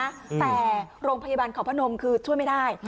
แต่โรงพยาบาลเขาพนมคือช่วยไม่ได้